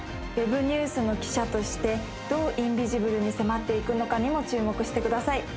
Ｗｅｂニュースの記者としてどうインビジブルに迫っていくのかにも注目してください